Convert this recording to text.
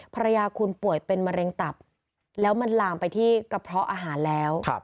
ภรรยาคุณป่วยเป็นมะเร็งตับแล้วมันลามไปที่กระเพาะอาหารแล้ว